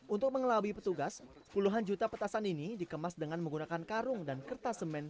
untuk mengelabui petugas puluhan juta petasan ini dikemas dengan menggunakan karung dan kertas semen